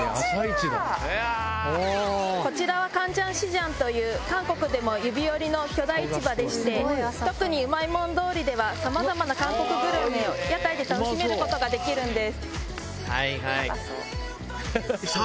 こちらは広蔵市場という韓国でも指折りの巨大市場でして特にうまいもん通りではさまざまな韓国グルメを屋台で楽しめることができるんです。